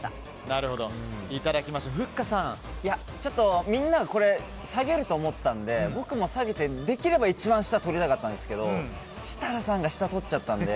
ちょっとみんなが下げると思ったので僕も下げて、できれば一番下を取りたかったんですけど設楽さんが下取っちゃったんで。